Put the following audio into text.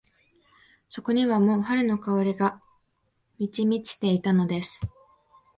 そこにはもう春の香りが満ち満ちていたのです。